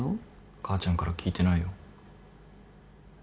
母ちゃんから聞いてないよ。